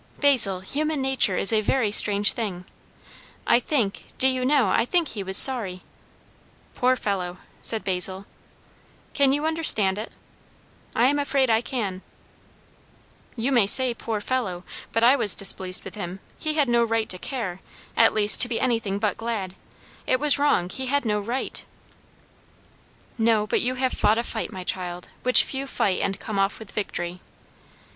"Basil human nature is a very strange thing! I think, do you know? I think he was sorry." "Poor fellow!" said Basil. "Can you understand it?" "I am afraid I can." "You may say 'poor fellow!' but I was displeased with him. He had no right to care; at least, to be anything but glad. It was wrong. He had no right." "No; but you have fought a fight, my child, which few fight and come off with victory."